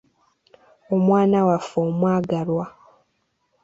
Omwana waffe omwagalwa!